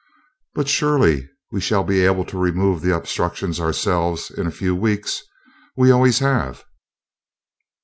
"But surely we shall be able to remove the obstructions ourselves in a few weeks. We always have."